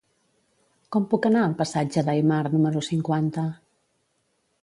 Com puc anar al passatge d'Aymar número cinquanta?